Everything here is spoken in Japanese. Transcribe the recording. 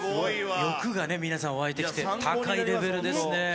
欲がね、皆さん湧いてきて、高いレベルですね。